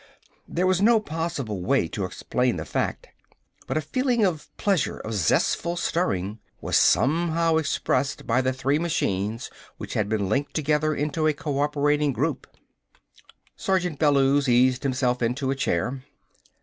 There was no possible way to explain the fact, but a feeling of pleasure, of zestful stirring, was somehow expressed by the three machines which had been linked together into a cooperating group. Sergeant Bellews eased himself into a chair.